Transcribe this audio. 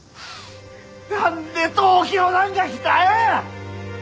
なんで東京なんか来たんや！